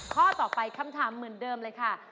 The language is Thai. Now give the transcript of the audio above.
ข้อต่อไปคำถามเหมือนเดิมเลยค่ะ